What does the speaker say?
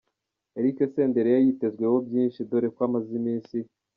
Eric Senderi yari yitezweho byinshi dore ko amaze iminsi.